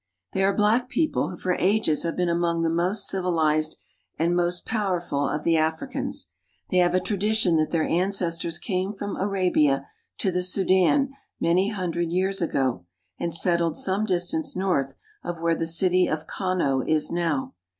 They are black people who for ages have been among the most civilized and most powerful of the Africans. They have a tradition that their ancestors came from Arabia to the Sudan many hundred years ago, and settled some distance north of where the city of Kano is now.